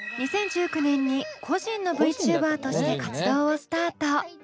２０１９年に個人のＶチューバーとして活動をスタート。